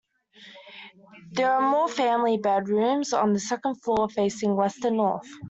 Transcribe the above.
There are more family bedrooms on the second floor facing west and north.